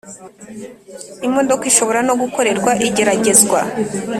Imodoka ishobora no gukorerwa igeragezwa